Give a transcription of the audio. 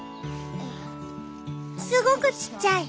すごくちっちゃい。